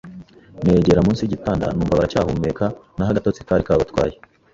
negera munsi yigitanda numva baracyahumeka naho agatotsi kari kabatwaye.